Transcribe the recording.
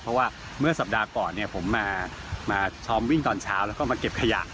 เพราะว่าเมื่อสัปดาห์ก่อนผมมาซ้อมวิ่งตอนเช้าแล้วก็มาเก็บขยะ